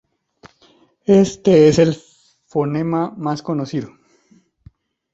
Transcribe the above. Este es el fonema más conocido.